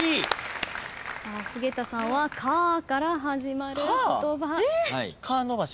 菅田さんは「かー」から始まる言葉。